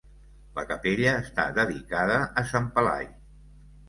La capella està dedicada a Sant Pelai.